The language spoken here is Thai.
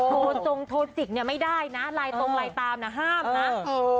โทรจงโทรจิกเนี่ยไม่ได้นะไลน์ตรงไลน์ตามนะห้ามนะ